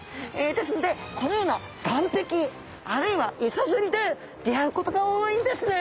ですのでこのような岸壁あるいは磯釣りで出会うことが多いんですね。